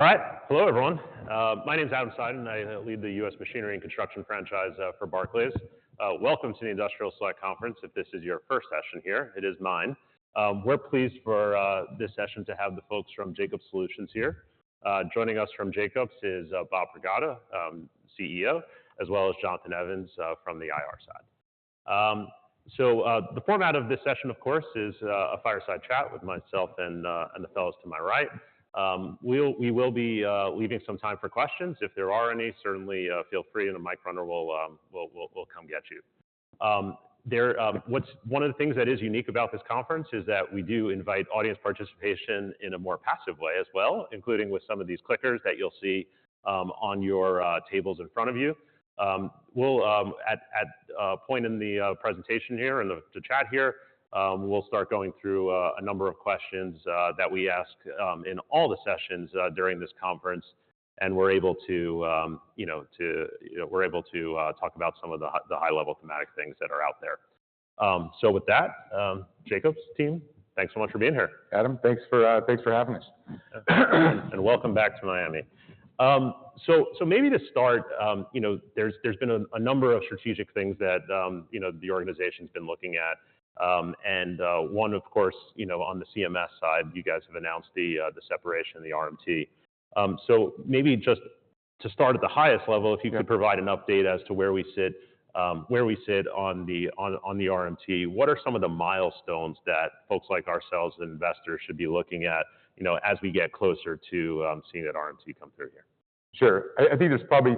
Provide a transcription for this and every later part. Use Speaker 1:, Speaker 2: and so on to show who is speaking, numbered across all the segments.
Speaker 1: All right. Hello, everyone. My name is Adam Seiden, and I lead the U.S. Machinery and Construction franchise for Barclays. Welcome to the Industrial Select Conference. If this is your first session here, it is mine. We're pleased for this session to have the folks from Jacobs Solutions here. Joining us from Jacobs is Bob Pragada, CEO, as well as Jonathan Evans from the IR side. So, the format of this session, of course, is a fireside chat with myself and the fellows to my right. We will be leaving some time for questions. If there are any, certainly feel free, and a mic runner will come get you. One of the things that is unique about this conference is that we do invite audience participation in a more passive way as well, including with some of these clickers that you'll see on your tables in front of you. We'll, at a point in the presentation here and the chat here, we'll start going through a number of questions that we ask in all the sessions during this conference, and we're able to, you know, to, you know, we're able to talk about some of the high-level thematic things that are out there. So with that, Jacobs team, thanks so much for being here.
Speaker 2: Adam, thanks for having us.
Speaker 1: Welcome back to Miami. So maybe to start, you know, there's been a number of strategic things that, you know, the organization's been looking at. And one, of course, you know, on the CMS side, you guys have announced the separation of the RMT. So maybe just to start at the highest level if you could provide an update as to where we sit on the RMT. What are some of the milestones that folks like ourselves and investors should be looking at, you know, as we get closer to seeing that RMT come through here?
Speaker 2: Sure. I think there's probably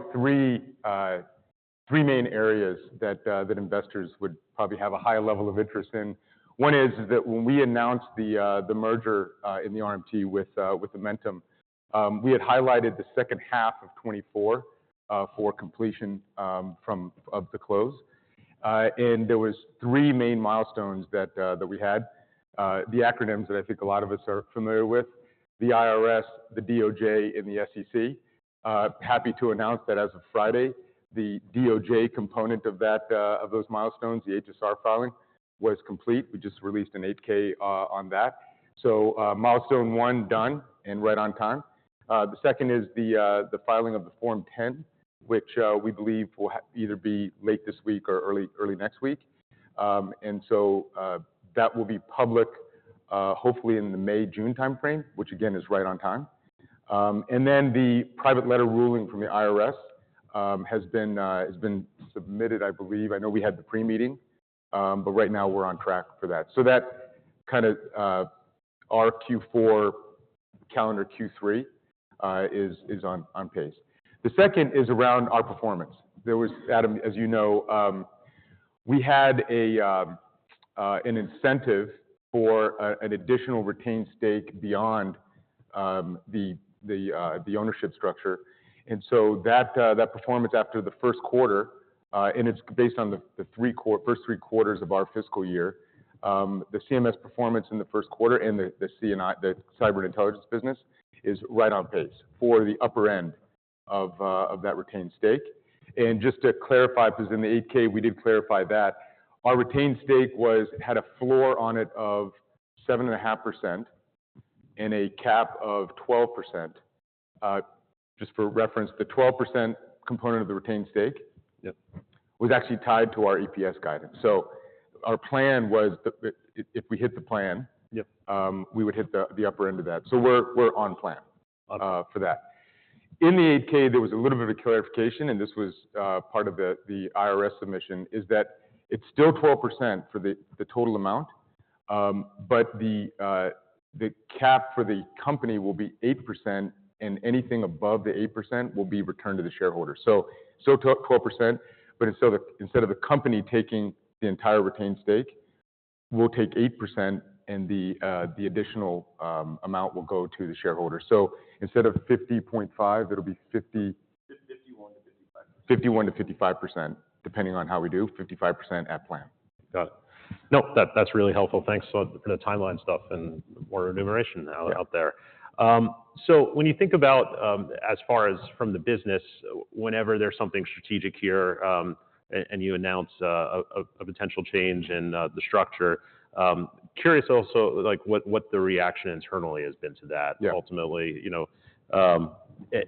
Speaker 2: three main areas that investors would probably have a high level of interest in. One is that when we announced the merger in the RMT with Amentum, we had highlighted the second half of 2024 for completion of the close. And there was three main milestones that we had. The acronyms that I think a lot of us are familiar with, the IRS, the DOJ, and the SEC. Happy to announce that as of Friday, the DOJ component of those milestones, the HSR filing, was complete. We just released an 8-K on that. So, milestone one, done, and right on time. The second is the filing of the Form 10, which we believe will either be late this week or early next week. And so, that will be public, hopefully in the May, June time frame, which, again, is right on time. And then the private letter ruling from the IRS has been submitted, I believe. I know we had the pre-meeting, but right now we're on track for that. So that kind of, our Q4, calendar Q3, is on pace. The second is around our performance. There was, Adam, as you know, we had an incentive for an additional retained stake beyond the ownership structure. That performance after the first quarter, and it's based on the first three quarters of our fiscal year. The CMS performance in the first quarter and the C&I, the cyber intelligence business, is right on pace for the upper end of that retained stake. And just to clarify, because in the 8-K, we did clarify that, our retained stake had a floor on it of 7.5% and a cap of 12%. Just for reference, the 12% component of the retained stake-
Speaker 1: Yep....
Speaker 2: was actually tied to our EPS guidance. So our plan was that if we hit the plan-
Speaker 1: Yep....
Speaker 2: we would hit the upper end of that. So we're on plan for that. In the 8-K, there was a little bit of a clarification, and this was part of the IRS submission, is that it's still 12% for the total amount, but the cap for the company will be 8%, and anything above the 8% will be returned to the shareholder. So 12%, but instead of the company taking the entire retained stake, we'll take 8%, and the additional amount will go to the shareholder. So instead of 50.5%, it'll be 51%-55%, depending on how we do, 55% at plan.
Speaker 1: Got it. No, that, that's really helpful. Thanks for the timeline stuff and more enumeration now out there.
Speaker 2: Yeah.
Speaker 1: So when you think about, as far as from the business, whenever there's something strategic here, and you announce a potential change in the structure, curious also, like, what the reaction internally has been to that?
Speaker 2: Yeah.
Speaker 1: Ultimately, you know,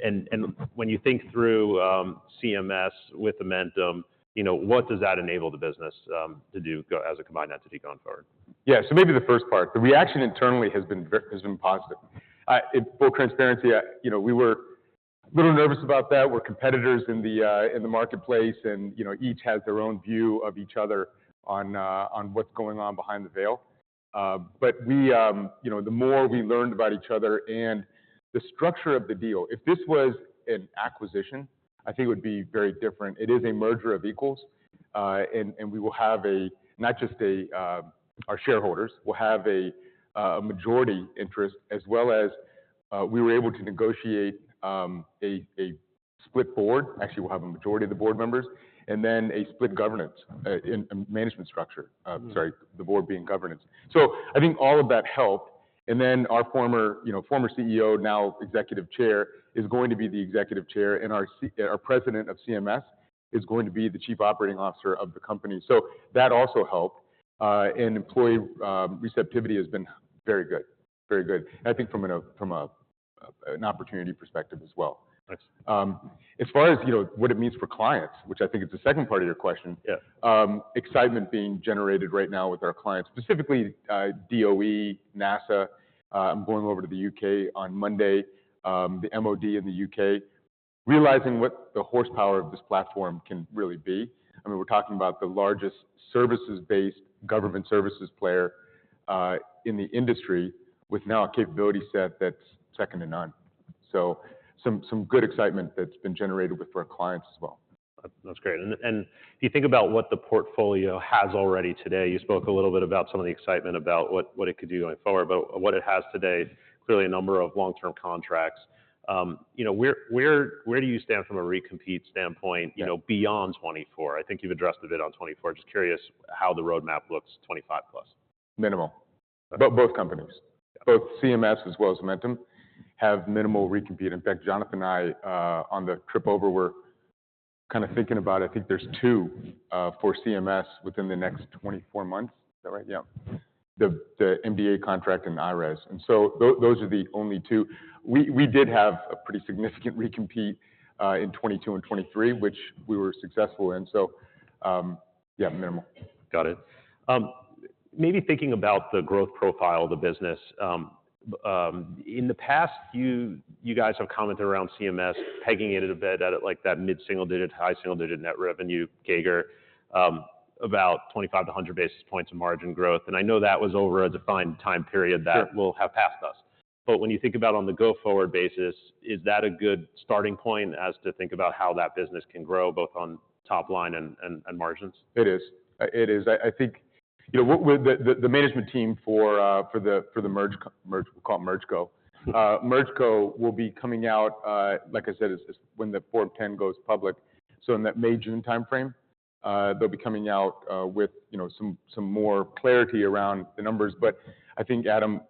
Speaker 1: and when you think through CMS with Amentum, you know, what does that enable the business to do as a combined entity going forward?
Speaker 2: Yeah. So maybe the first part, the reaction internally has been positive. Full transparency, you know, we were a little nervous about that. We're competitors in the marketplace, and, you know, each has their own view of each other on what's going on behind the veil. But we, you know, the more we learned about each other and the structure of the deal, if this was an acquisition, I think it would be very different. It is a merger of equals, and we will have a not just a, our shareholders, we'll have a, a majority interest, as well as, we were able to negotiate, a split board. Actually, we'll have a majority of the board members, and then a split governance in management structure. Sorry, the board being governance. So I think all of that helped. And then our former, you know, former CEO, now executive chair, is going to be the executive chair, and our president of CMS is going to be the chief operating officer of the company. So that also helped. And employee receptivity has been very good, very good, I think from an opportunity perspective as well.
Speaker 1: Thanks.
Speaker 2: As far as, you know, what it means for clients, which I think is the second part of your question-
Speaker 1: Yeah.
Speaker 2: Excitement being generated right now with our clients, specifically, DOE, NASA. I'm going over to the U.K. on Monday, the MOD in the U.K., realizing what the horsepower of this platform can really be. I mean, we're talking about the largest services-based, government services player, in the industry, with now a capability set that's second to none. So some good excitement that's been generated with our clients as well.
Speaker 1: That's great. And if you think about what the portfolio has already today, you spoke a little bit about some of the excitement about what it could do going forward, but what it has today, clearly a number of long-term contracts. You know, where do you stand from a recompete standpoint?
Speaker 2: Yeah.
Speaker 1: You know, beyond 2024? I think you've addressed a bit on 2024. Just curious how the roadmap looks 2025+.
Speaker 2: Minimal. Both, both companies.
Speaker 1: Yeah.
Speaker 2: Both CMS as well as Amentum have minimal recompete. In fact, Jonathan and I on the trip over, we're kind of thinking about it. I think there's two for CMS within the next 24 months. Is that right? Yeah. The MDA contract and the ISR. So those are the only two. We did have a pretty significant recompete in 2022 and 2023, which we were successful in. So yeah, minimal.
Speaker 1: Got it. Maybe thinking about the growth profile of the business, in the past, you guys have commented around CMS, pegging it a bit at, like, that mid-single digit to high single-digit net revenue CAGR, about 25-100 basis points of margin growth. And I know that was over a defined time period.
Speaker 2: Sure.
Speaker 1: - that will have passed us. But when you think about on the go-forward basis, is that a good starting point as to think about how that business can grow, both on top line and margins?
Speaker 2: It is. It is. I think, you know, what with the management team for the merger, merger, we call it MergeCo. MergeCo will be coming out, like I said, it's when the Form 10 goes public. So in that May-June time frame, they'll be coming out with, you know, some more clarity around the numbers. But I think, Adam,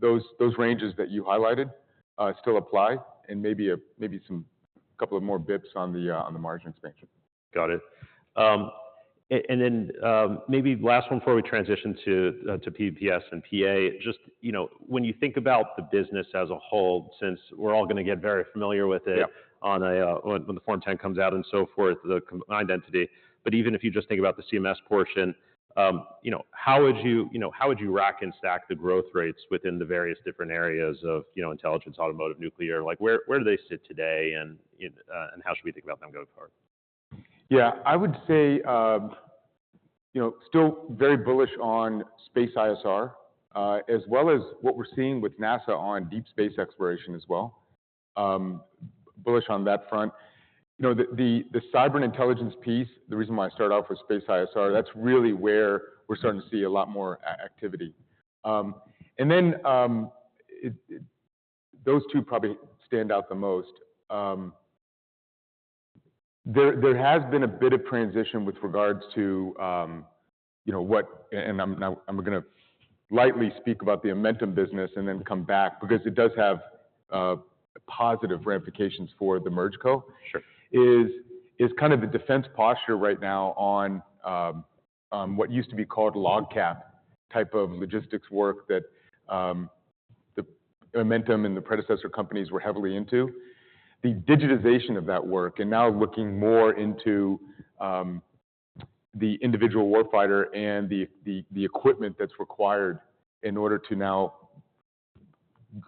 Speaker 2: those ranges that you highlighted still apply and maybe a couple more basis points on the margin expansion.
Speaker 1: Got it. And then, maybe last one before we transition to P&PS and PA. Just, you know, when you think about the business as a whole, since we're all gonna get very familiar with it-
Speaker 2: Yeah.
Speaker 1: - on a, when the Form 10 comes out and so forth, the company identity. But even if you just think about the CMS portion, you know, how would you, you know, how would you rack and stack the growth rates within the various different areas of, you know, intelligence, automotive, nuclear? Like, where, where do they sit today, and, and how should we think about them going forward?
Speaker 2: Yeah, I would say, you know, still very bullish on space ISR, as well as what we're seeing with NASA on deep space exploration as well. Bullish on that front. You know, the cyber and intelligence piece, the reason why I started off with space ISR, that's really where we're starting to see a lot more activity. And then, those two probably stand out the most. There has been a bit of transition with regards to, you know, what and I'm gonna lightly speak about the Amentum business and then come back because it does have positive ramifications for the MergeCo.
Speaker 1: Sure.
Speaker 2: Is kind of the defense posture right now on what used to be called LOGCAP type of logistics work that the Amentum and the predecessor companies were heavily into. The digitization of that work, and now looking more into the individual warfighter and the equipment that's required in order to now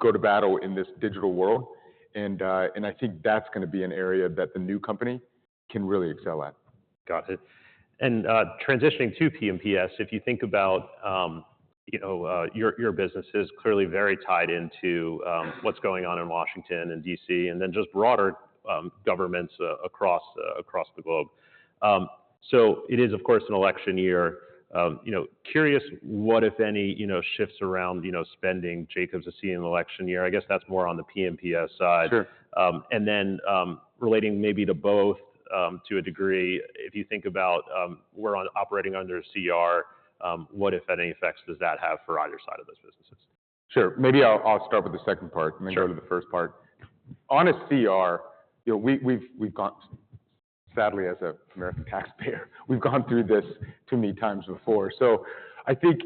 Speaker 2: go to battle in this digital world. And I think that's gonna be an area that the new company can really excel at.
Speaker 1: Got it. And, transitioning to P&PS, if you think about, you know, your business is clearly very tied into, what's going on in Washington and D.C., and then just broader, governments across the globe. So it is, of course, an election year. You know, curious, what, if any, you know, shifts around, you know, spending Jacobs to see in an election year? I guess that's more on the P&PS side.
Speaker 2: Sure.
Speaker 1: And then, relating maybe to both, to a degree, if you think about, we're on operating under CR, what, if any, effects does that have for either side of those businesses?
Speaker 2: Sure. Maybe I'll start with the second part-
Speaker 1: Sure.
Speaker 2: - and then go to the first part. On a CR, you know, we've got—sadly, as an American taxpayer, we've gone through this too many times before. So I think,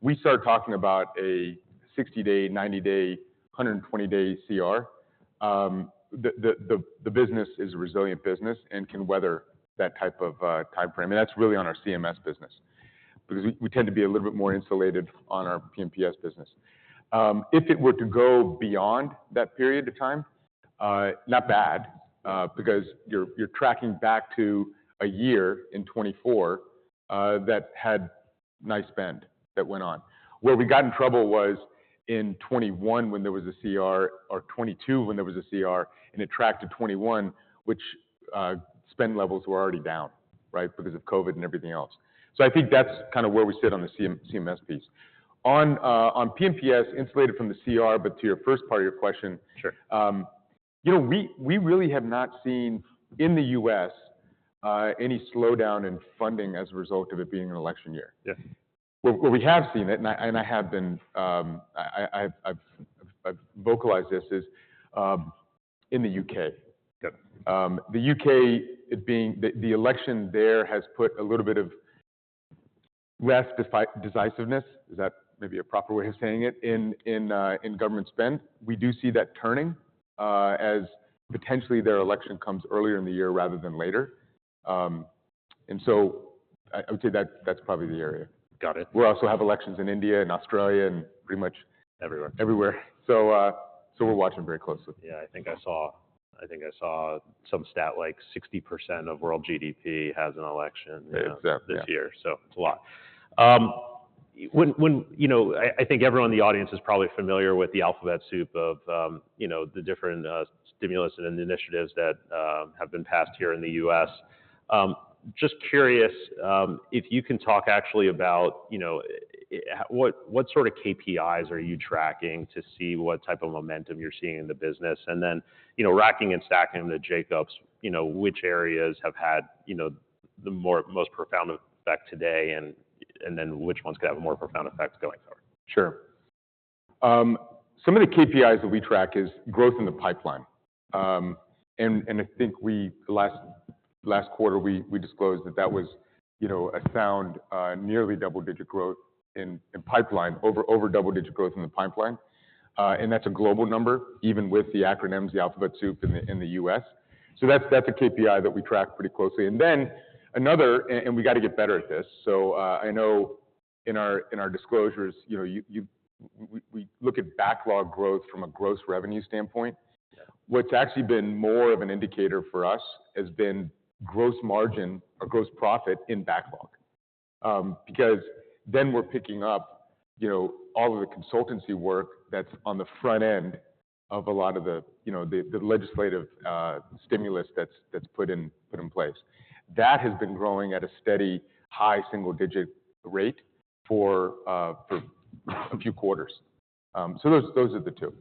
Speaker 2: we start talking about a 60-day, 90-day, 120-day CR, the business is a resilient business and can weather that type of timeframe, and that's really on our CMS business, because we tend to be a little bit more insulated on our P&PS business. If it were to go beyond that period of time, not bad, because you're tracking back to a year in 2024, that had nice spend that went on. Where we got in trouble was in 2021, when there was a CR, or 2022, when there was a CR, and it tracked to 2021, which spend levels were already down, right? Because of COVID and everything else. So I think that's kind of where we sit on the CMS piece. On P&PS, insulated from the CR, but to your first part of your question-
Speaker 1: Sure....
Speaker 2: you know, we, we really have not seen, in the U.S., any slowdown in funding as a result of it being an election year.
Speaker 1: Yes.
Speaker 2: Where we have seen it, and I have been, I've vocalized this, is in the U.K.
Speaker 1: Yep.
Speaker 2: The U.K., it being the election there has put a little bit of less decisiveness, is that maybe a proper way of saying it? In government spend. We do see that turning, as potentially their election comes earlier in the year rather than later. And so I would say that's probably the area.
Speaker 1: Got it.
Speaker 2: We also have elections in India and Australia, and pretty much-
Speaker 1: Everywhere.
Speaker 2: everywhere. So, we're watching very closely.
Speaker 1: Yeah, I think I saw, I think I saw some stat, like 60% of world GDP has an election-
Speaker 2: Exactly, yeah.
Speaker 1: This year, so it's a lot. When you know, I think everyone in the audience is probably familiar with the alphabet soup of, you know, the different stimulus and initiatives that have been passed here in the U.S. Just curious, if you can talk actually about, you know, what sort of KPIs are you tracking to see what type of momentum you're seeing in the business? And then, you know, racking and stacking the Jacobs, you know, which areas have had, you know, the most profound effect today, and then which ones could have a more profound effect going forward?
Speaker 2: Sure. Some of the KPIs that we track is growth in the pipeline. And I think last quarter we disclosed that that was, you know, a sound nearly double-digit growth in pipeline, over double-digit growth in the pipeline. And that's a global number, even with the acronyms, the alphabet soup in the U.S. So that's a KPI that we track pretty closely. And then another... And we got to get better at this. So I know in our disclosures, you know, we look at backlog growth from a gross revenue standpoint.
Speaker 1: Yeah.
Speaker 2: What's actually been more of an indicator for us has been gross margin or gross profit in backlog. Because then we're picking up, you know, all of the consultancy work that's on the front end of a lot of the, you know, the legislative stimulus that's put in place. That has been growing at a steady, high double-digit rate for a few quarters. So those are the two.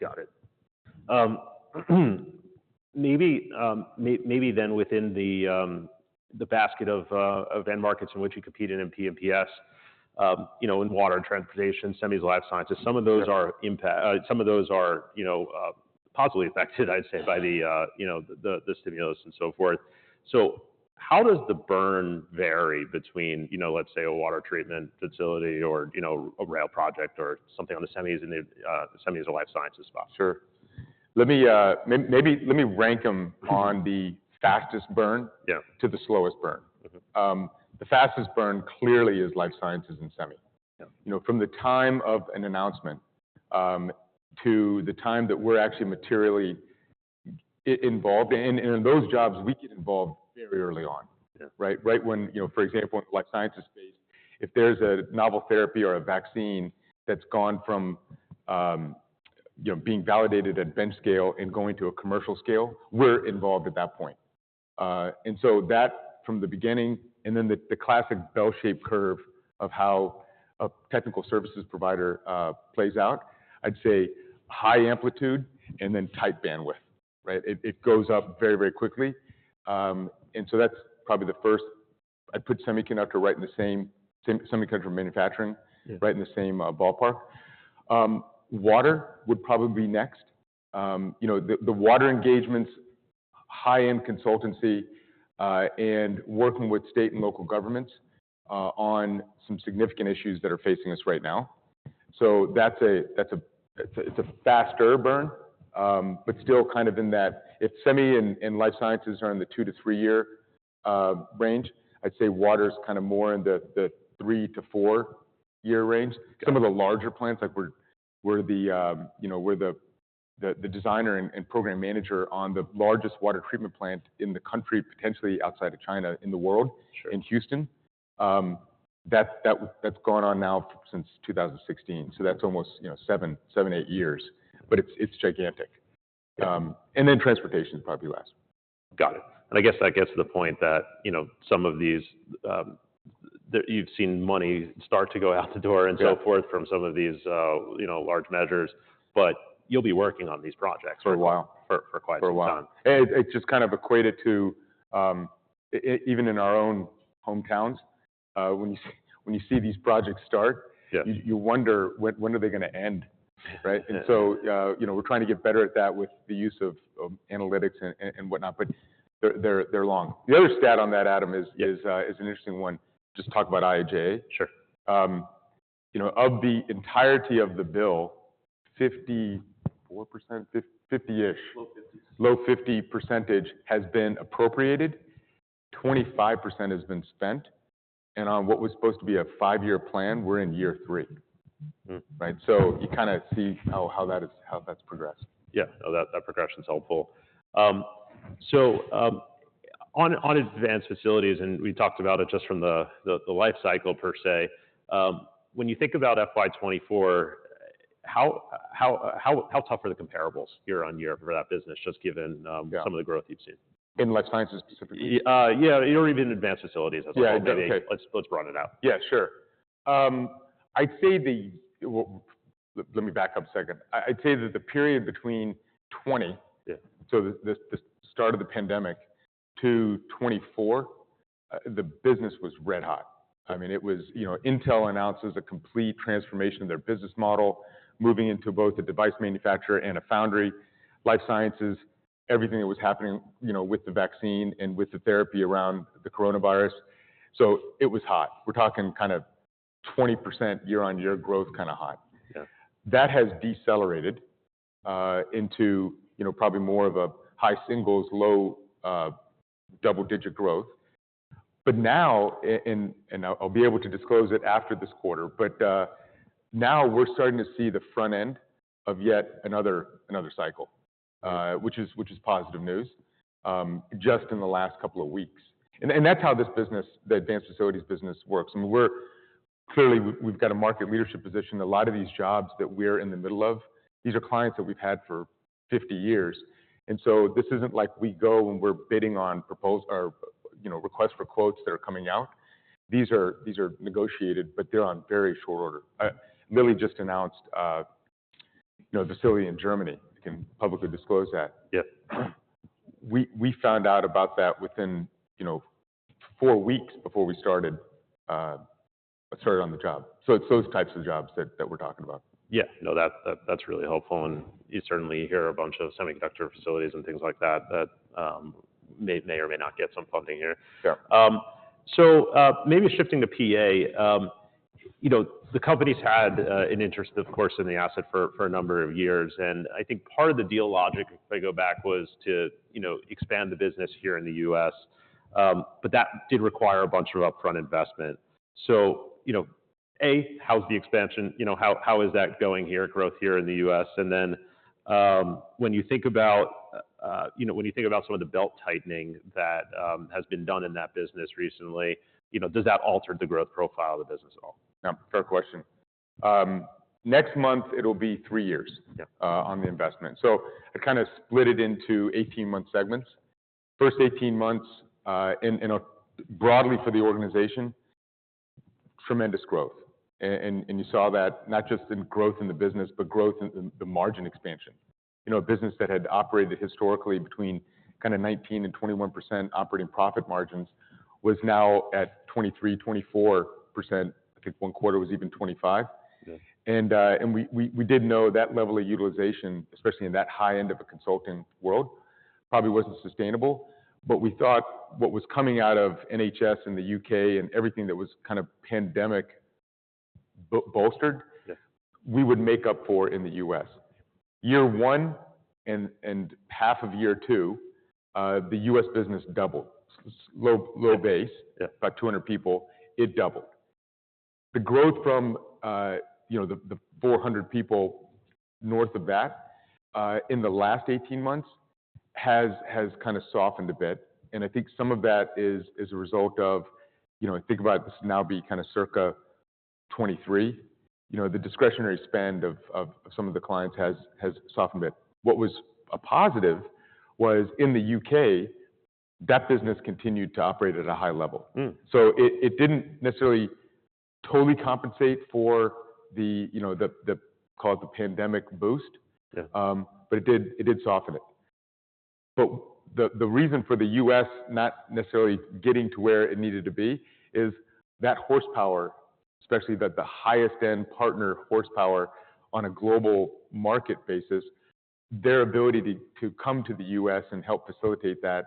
Speaker 1: Got it. Maybe then within the basket of end markets in which you compete in P&PS, you know, in water and transportation, semis, life sciences, some of those-
Speaker 2: Sure....
Speaker 1: some of those are, you know, positively affected, I'd say, by the, you know, the stimulus and so forth. So how does the burn vary between, you know, let's say, a water treatment facility or, you know, a rail project or something on the semis and the semis and life sciences space?
Speaker 2: Sure. Let me maybe let me rank them on the fastest burn-
Speaker 1: Yeah.
Speaker 2: - to the slowest burn.
Speaker 1: Mm-hmm.
Speaker 2: The fastest burn clearly is life sciences and semi.
Speaker 1: Yeah.
Speaker 2: You know, from the time of an announcement, to the time that we're actually materially involved, and in those jobs, we get involved very early on.
Speaker 1: Yeah.
Speaker 2: Right? Right when... You know, for example, in the life sciences space, if there's a novel therapy or a vaccine that's gone from, you know, being validated at bench scale and going to a commercial scale, we're involved at that point. And so that from the beginning, and then the classic bell-shaped curve of how a technical services provider plays out, I'd say high amplitude and then tight bandwidth, right? It goes up very, very quickly. And so that's probably the first. I'd put semiconductor right in the same, semiconductor manufacturing-
Speaker 1: Yeah.
Speaker 2: Right in the same ballpark. Water would probably be next. You know, the water engagements, high-end consultancy, and working with state and local governments on some significant issues that are facing us right now. So that's a faster burn, but still kind of in that... If semi and life sciences are in the two to three year range, I'd say water is kind of more in the three to four year range.
Speaker 1: Got it.
Speaker 2: Some of the larger plants, like we're the, you know, the designer and program manager on the largest water treatment plant in the country, potentially outside of China, in the world-
Speaker 1: Sure.
Speaker 2: - in Houston. That's gone on now since 2016, so that's almost, you know, seven or eight years, but it's gigantic. And then transportation is probably last.
Speaker 1: Got it. I guess that gets to the point that, you know, some of these, that you've seen money start to go out the door-
Speaker 2: Yeah.
Speaker 1: - and so forth from some of these, you know, large measures, but you'll be working on these projects-
Speaker 2: For a while....
Speaker 1: for quite some time.
Speaker 2: For a while. It just kind of equated to, I even in our own hometowns, when you see these projects start-
Speaker 1: Yeah.
Speaker 2: you wonder, when, when are they gonna end, right?
Speaker 1: Yeah.
Speaker 2: And so, you know, we're trying to get better at that with the use of analytics and whatnot, but they're long. The other stat on that, Adam-
Speaker 1: Yeah....
Speaker 2: is an interesting one. Just talk about IIJA.
Speaker 1: Sure.
Speaker 2: You know, of the entirety of the bill, 54%, 50-ish, low 50% has been appropriated, 25% has been spent, and on what was supposed to be a five-year plan, we're in year three.
Speaker 1: Mm.
Speaker 2: Right? So you kind of see how that is, how that's progressed.
Speaker 1: Yeah, that progression is helpful. So, on advanced facilities, and we talked about it just from the life cycle per se, when you think about FY 2024, how tough are the comparables year-over-year for that business, just given-
Speaker 2: Yeah....
Speaker 1: some of the growth you've seen?
Speaker 2: In life sciences specifically?
Speaker 1: Yeah, or even in advanced facilities-
Speaker 2: Yeah, okay.
Speaker 1: Let's run it out.
Speaker 2: Yeah, sure. I'd say the... Let me back up a second. I'd say that the period between 2020-
Speaker 1: Yeah....
Speaker 2: so the start of the pandemic to 2024. The business was red hot. I mean, it was, you know, Intel announces a complete transformation of their business model, moving into both a device manufacturer and a foundry, life sciences, everything that was happening, you know, with the vaccine and with the therapy around the coronavirus. So it was hot. We're talking kind of 20% year-on-year growth kind of hot.
Speaker 1: Yeah.
Speaker 2: That has decelerated into, you know, probably more of a high singles, low double-digit growth. But now, and I'll be able to disclose it after this quarter, but now we're starting to see the front end of yet another cycle, which is positive news just in the last couple of weeks. And that's how this business, the advanced facilities business works. And we're clearly. We've got a market leadership position. A lot of these jobs that we're in the middle of, these are clients that we've had for 50 years. And so this isn't like we go and we're bidding on proposal or, you know, requests for quotes that are coming out. These are negotiated, but they're on very short order. Lilly just announced, you know, the facility in Germany. I can publicly disclose that.
Speaker 1: Yep.
Speaker 2: We found out about that within, you know, four weeks before we started on the job. So it's those types of jobs that we're talking about.
Speaker 1: Yeah. No, that's really helpful, and you certainly hear a bunch of semiconductor facilities and things like that that may or may not get some funding here.
Speaker 2: Sure.
Speaker 1: So, maybe shifting to PA, you know, the company's had an interest, of course, in the asset for a number of years, and I think part of the deal logic, if I go back, was to, you know, expand the business here in the U.S. But that did require a bunch of upfront investment. So, you know, A, how's the expansion? You know, how is that going here, growth here in the U.S.? And then, when you think about, you know, when you think about some of the belt-tightening that has been done in that business recently, you know, does that alter the growth profile of the business at all?
Speaker 2: Fair question. Next month, it'll be three years-
Speaker 1: Yeah....
Speaker 2: on the investment. So I kind of split it into 18-month segments. First 18 months, broadly for the organization, tremendous growth. And you saw that not just in growth in the business, but growth in the margin expansion. You know, a business that had operated historically between kind of 19%-21% operating profit margins, was now at 23%-24%. I think one quarter was even 25%.
Speaker 1: Yeah.
Speaker 2: And we did know that level of utilization, especially in that high end of a consulting world, probably wasn't sustainable. But we thought what was coming out of NHS in the U.K. and everything that was kind of pandemic bolstered-
Speaker 1: Yeah.
Speaker 2: We would make up for in the U.S. Year one and half of year two, the U.S. business doubled. Low base-
Speaker 1: Yeah.
Speaker 2: - about 200 people. It doubled. The growth from, you know, the, the 400 people north of that, in the last 18 months, has, has kind of softened a bit, and I think some of that is, is a result of, you know, think about this now be kind of circa 2023. You know, the discretionary spend of, of some of the clients has, has softened it. What was a positive was in the U.K., that business continued to operate at a high level.
Speaker 1: Hmm.
Speaker 2: So it didn't necessarily totally compensate for the, you know, the call it the pandemic boost-
Speaker 1: Yeah.
Speaker 2: But it did, it did soften it. But the reason for the U.S. not necessarily getting to where it needed to be is that horsepower, especially the highest end partner, horsepower on a global market basis, their ability to come to the U.S. and help facilitate that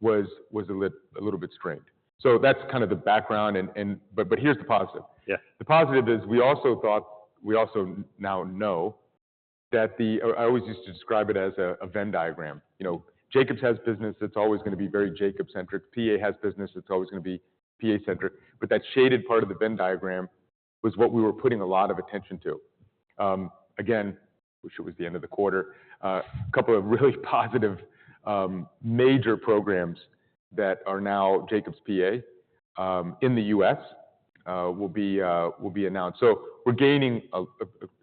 Speaker 2: was a little bit strained. So that's kind of the background and... But here's the positive.
Speaker 1: Yeah.
Speaker 2: The positive is we also thought, we also now know that. I always used to describe it as a Venn diagram. You know, Jacobs has business that's always gonna be very Jacobs-centric. PA has business that's always gonna be PA-centric. But that shaded part of the Venn diagram was what we were putting a lot of attention to. Again, wish it was the end of the quarter. A couple of really positive major programs that are now Jacobs PA in the U.S. will be announced. So we're gaining a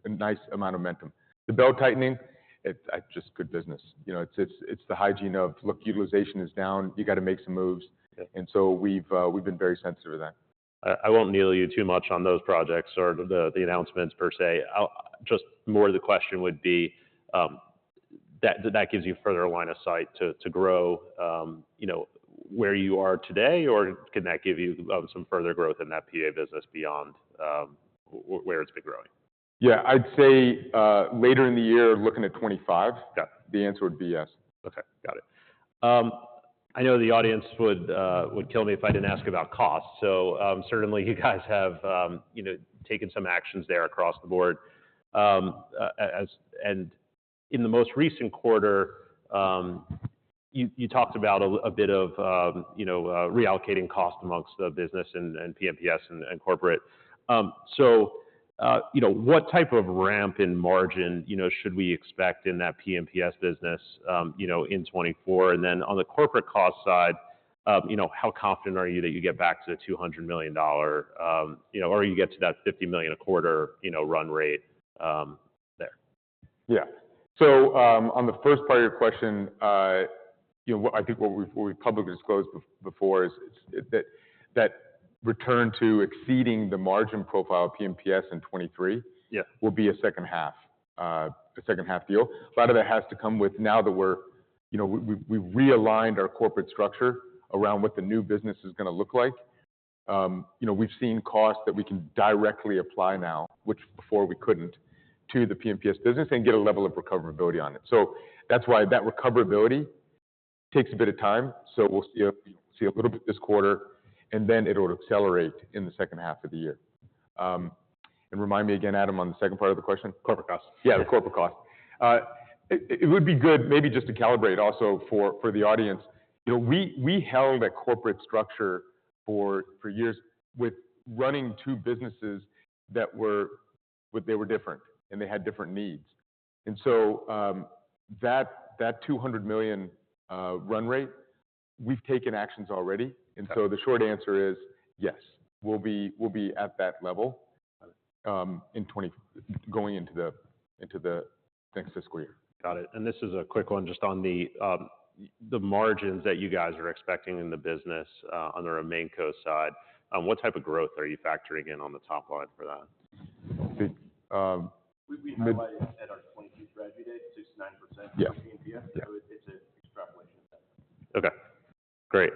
Speaker 2: nice amount of momentum. The belt-tightening, it just good business. You know, it's the hygiene of, look, utilization is down, you got to make some moves.
Speaker 1: Okay.
Speaker 2: And so we've, we've been very sensitive to that.
Speaker 1: I won't needle you too much on those projects or the announcements per se. Just more of the question would be, that gives you further line of sight to grow, you know, where you are today, or can that give you some further growth in that PA business beyond where it's been growing?
Speaker 2: Yeah, I'd say later in the year, looking at 2025-
Speaker 1: Yeah.
Speaker 2: The answer would be yes.
Speaker 1: Okay, got it. I know the audience would kill me if I didn't ask about cost. So, certainly, you guys have, you know, taken some actions there across the board. And in the most recent quarter, you talked about a bit of, you know, reallocating cost amongst the business and P&PS and corporate. So, you know, what type of ramp in margin should we expect in that P&PS business, you know, in 2024? And then on the corporate cost side, you know, how confident are you that you get back to the $200 million, you know, or you get to that $50 million a quarter, you know, run rate there?
Speaker 2: Yeah. So, on the first part of your question, you know, I think what we publicly disclosed before is that return to exceeding the margin profile of P&PS in 2023-
Speaker 1: Yes.
Speaker 2: will be a second half deal. A lot of that has to come with now that we're, you know, we've realigned our corporate structure around what the new business is gonna look like. You know, we've seen costs that we can directly apply now, which before we couldn't, to the P&PS business and get a level of recoverability on it. So that's why that recoverability takes a bit of time. So we'll see a little bit this quarter, and then it'll accelerate in the second half of the year. And remind me again, Adam, on the second part of the question?
Speaker 1: Corporate costs.
Speaker 2: Yeah, the corporate cost. It would be good maybe just to calibrate also for the audience. You know, we held a corporate structure for years with running two businesses that were, but they were different, and they had different needs. And so, that $200 million run rate, we've taken actions already.
Speaker 1: Got it.
Speaker 2: And so the short answer is, yes, we'll be, we'll be at that level in 2020-- going into the next fiscal year.
Speaker 1: Got it. And this is a quick one, just on the margins that you guys are expecting in the business, on the RemainCo side. What type of growth are you factoring in on the top line for that?
Speaker 2: The, um, we highlighted at our 2022 Strategy Day, 6%-9%.
Speaker 1: Yeah.
Speaker 2: -for P&PS. So it's an extrapolation of that.
Speaker 1: Okay, great.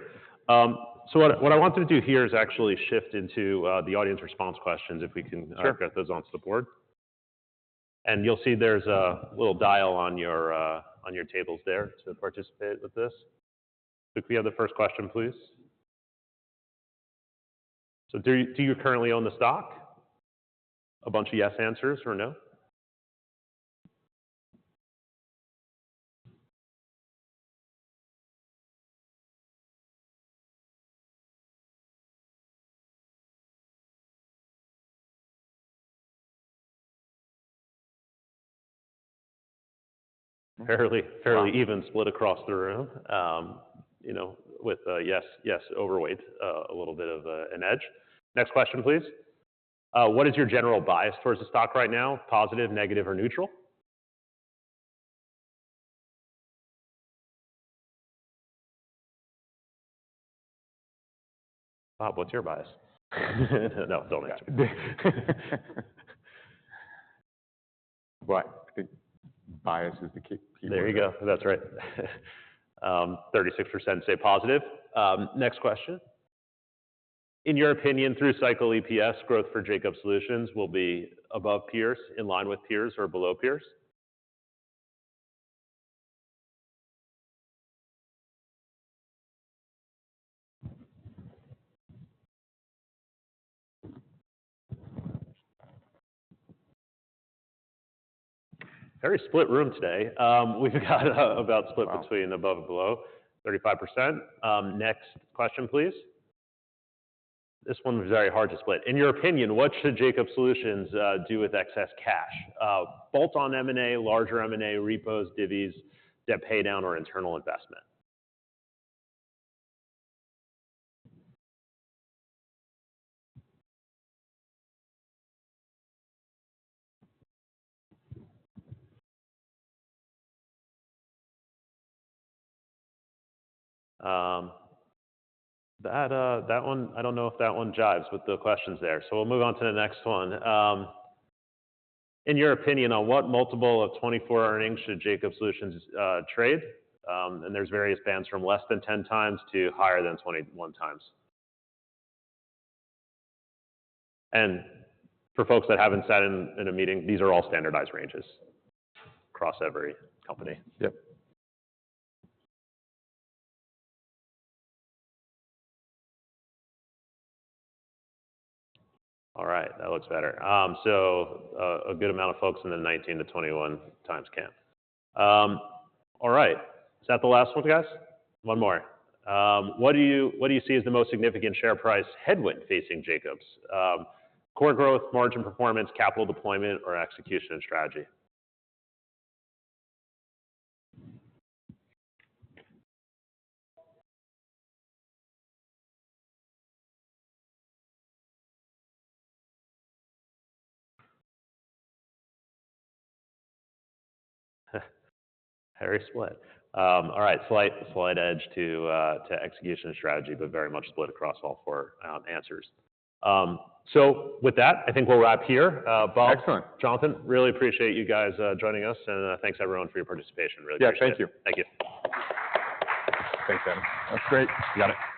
Speaker 1: So what I wanted to do here is actually shift into the audience response questions, if we can-
Speaker 2: Sure.
Speaker 1: Get those on the board. And you'll see there's a little dial on your, on your tables there to participate with this. So could we have the first question, please? So do you, do you currently own the stock? A bunch of yes answers or no. Fairly, fairly even split across the room, you know, with, yes, yes, overweight, a little bit of, an edge. Next question, please. What is your general bias towards the stock right now? Positive, negative, or neutral? Bob, what's your bias? No, don't answer.
Speaker 2: But I think bias is the key-
Speaker 1: There you go. That's right. 36% say positive. Next question: In your opinion, through cycle EPS growth for Jacobs Solutions will be above peers, in line with peers, or below peers? Very split room today. We've got about split between above and below, 35%. Next question, please. This one is very hard to split. In your opinion, what should Jacobs Solutions do with excess cash? Bolt on M&A, larger M&A, repos, divvies, debt pay down, or internal investment? That one. I don't know if that one jives with the questions there, so we'll move on to the next one. In your opinion, on what multiple of 24 earnings should Jacobs Solutions trade? And there's various bands from less than 10 times to higher than 21 times. For folks that haven't sat in a meeting, these are all standardized ranges across every company.
Speaker 2: Yep.
Speaker 1: All right, that looks better. So, a good amount of folks in the 19-21 times camp. All right. Is that the last one, guys? One more. What do you see as the most significant share price headwind facing Jacobs? Core growth, margin performance, capital deployment, or execution and strategy? Very split. All right, slight edge to execution and strategy, but very much split across all four answers. So with that, I think we'll wrap here. Bob-
Speaker 2: Excellent.
Speaker 1: Jonathan, really appreciate you guys joining us, and thanks everyone for your participation. Really appreciate it.
Speaker 2: Yeah, thank you.
Speaker 1: Thank you.
Speaker 2: Thanks, Adam. That's great.
Speaker 1: You got it.